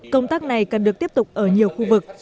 công tác này cần được tiếp tục ở nhiều khu vực